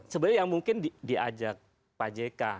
sebenarnya yang mungkin diajak pak jk